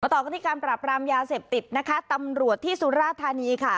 ต่อกันที่การปราบรามยาเสพติดนะคะตำรวจที่สุราธานีค่ะ